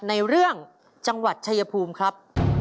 ในเรื่องจังหวัดชายภูมิครับ